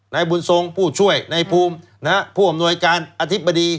นายบุญทรงผู้ช่วยในภูมิผู้อำนวยการอธิบดี